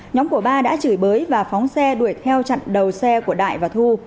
nhóm của ba đã chửi bới và phóng xe đuổi theo chặn đầu xe của đại và thu